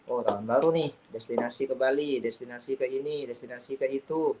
oh tahun baru nih destinasi ke bali destinasi ke ini destinasi ke itu